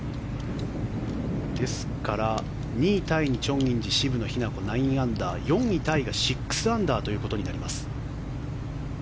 ですから２位タイにチョン・インジ渋野日向子、９アンダー４位タイが６アンダーとなります。